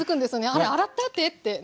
「あれ洗った？手」って。